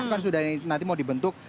kan sudah nanti mau dibentuk